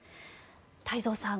太蔵さん